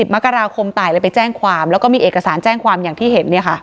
มกราคมตายเลยไปแจ้งความแล้วก็มีเอกสารแจ้งความอย่างที่เห็น